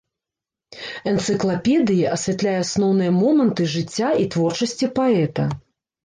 Энцыклапедыя асвятляе асноўныя моманты жыцця і творчасці паэта.